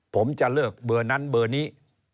ผมจะเลิกเบอร์นั้นเบอร์นี้